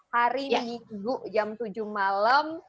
hari minggu jam tujuh malam